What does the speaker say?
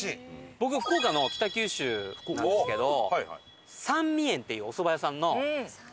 僕福岡の北九州なんですけど三味園っていうお蕎麦屋さんのちゃんぽん。